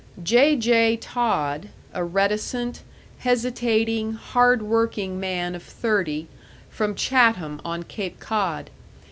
J. J. Todd, a reticent, hesitating, hard working man of thirty, from Chatham on Cape Cod.